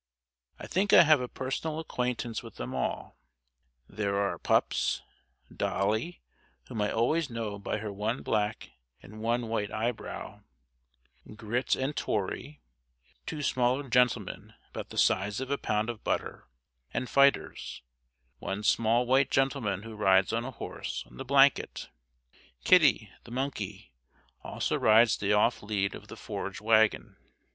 I think I have a personal acquaintance with them all. There are our pups Dolly, whom I always know by her one black and one white eyebrow; Grit and Tory, two smaller gentlemen, about the size of a pound of butter and fighters; one small white gentleman who rides on a horse, on the blanket; Kitty, the monkey, also rides the off lead of the forge wagon.